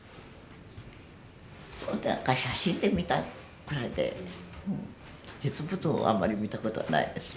写真で見たくらいで実物をあんまり見たことはないです。